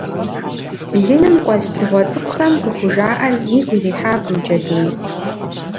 Блыным къуэс дзыгъуэ цӏыкӏухэм къыхужаӏэр игу ирихьакъым джэдум.